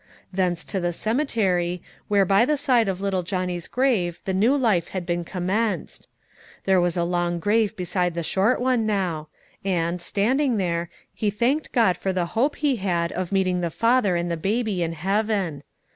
Thence to the cemetery, where by the side of little Johnny's grave the new life had been commenced. There was a long grave beside the short one now; and, standing there, he thanked God for the hope which he had of meeting the father and the baby in heaven.